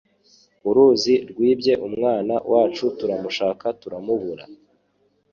Uruzi rwibye umwana wacu turamushaka turamubura